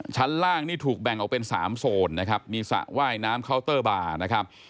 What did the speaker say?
ชั้นล่างนี่ถูกแบ่งออกเป็น๓โซนนะครับมีสระว่ายน้ำเคาน์เตอร์บาร์นะครับ